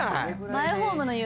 マイホームの夢。